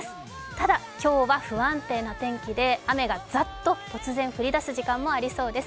ただ今日は不安定な天気で雨がザッと突然降り出す時間がありそうです。